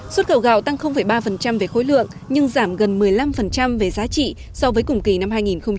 xuất khẩu gạo tăng ba về khối lượng nhưng giảm gần một mươi năm về giá trị so với cùng kỳ năm hai nghìn một mươi chín